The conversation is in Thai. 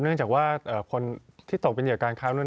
เนื่องจากว่าคนที่ตกเป็นเหยื่อการค้านั้น